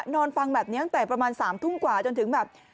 นอนฟังแบบนี้ตั้งแต่ประมาณ๓ทุ่มกว่าจนถึงแบบ